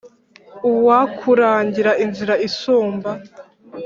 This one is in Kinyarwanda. Uwakurangira inzira isumba